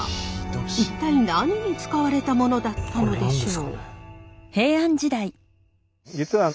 一体何に使われたものだったのでしょう？